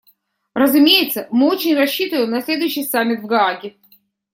Разумеется, мы очень рассчитываем на следующий саммит − в Гааге.